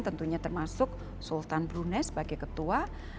tentunya termasuk sultan brunei sebagai ketua